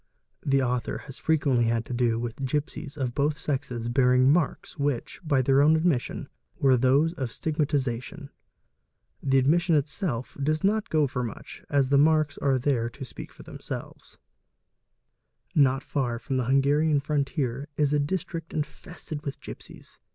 The author has frequently had to do with gipsies 0 both sexes bearing marks which, by their own admission, were those ¢ "stigmatisation''. The admission itself does not go for much, as th marks are there to speak for themselves. STIGMATA ON THE FACE 349 Not far from the Hungarian frontier is a district infested with gipsies.